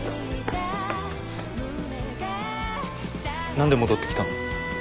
何で戻ってきたの？